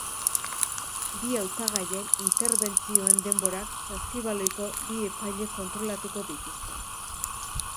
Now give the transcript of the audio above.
Bi hautagaien interbentzioen denborak saskibaloiko bi epailek kontrolatuko dituzte.